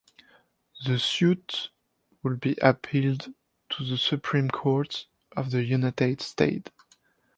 The suit would be appealed to the Supreme Court of the United States.